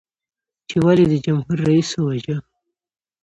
چې ولې دې جمهور رئیس وواژه؟